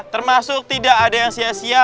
termasuk tidak ada yang sia sia